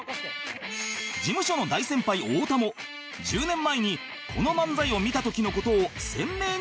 事務所の大先輩太田も１０年前にこの漫才を見た時の事を鮮明に覚えていた